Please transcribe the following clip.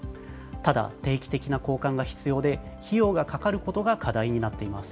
ただ、定期的な交換が必要で、費用がかかることが課題になっています。